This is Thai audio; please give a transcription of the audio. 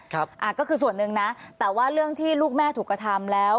ก็คือส่วนหนึ่งนะแต่ว่าเรื่องที่ลูกแม่ถูกกระทำแล้ว